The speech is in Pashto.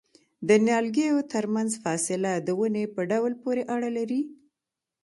د نیالګیو ترمنځ فاصله د ونې په ډول پورې اړه لري؟